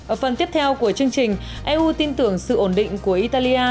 ở phần tiếp theo của chương trình eu tin tưởng sự ổn định của italia